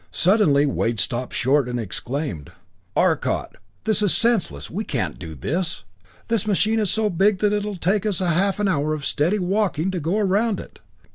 Suddenly Wade stopped short and exclaimed: "Arcot, this is senseless we can't do this! The machine is so big that it'll take us half an hour of steady walking to go around it.